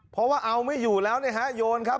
เพราะว่าเอาไม่อยู่แล้วเนี่ยฮะโยนครับ